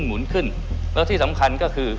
หุนขึ้นแล้วที่สำคัญก็คือ